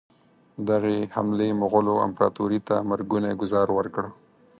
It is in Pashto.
دغې حملې مغولو امپراطوري ته مرګونی ګوزار ورکړ.